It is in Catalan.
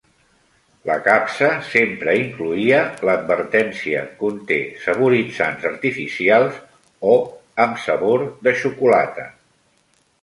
La capsa sempre incloïa l'advertència "conté saboritzants artificials" o "amb sabor de xocolata".